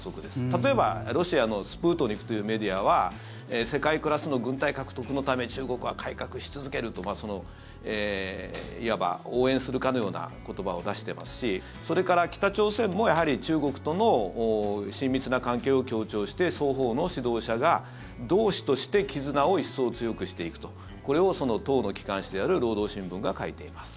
例えば、ロシアのスプートニクというメディアは世界クラスの軍隊獲得のため中国は改革し続けるといわば応援するかのような言葉を出してますしそれから、北朝鮮もやはり中国との親密な関係を強調して双方の指導者が同志として絆を一層強くしていくとこれを党の機関紙である労働新聞が書いています。